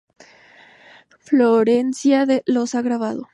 Florencia los ha grabado.